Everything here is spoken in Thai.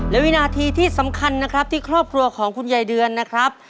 และวินาทีที่สำคัญนะครับที่ครอบครัวของคุณยายเดือนนะครับ